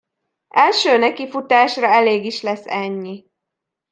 Első nekifutásra elég is lesz ennyi.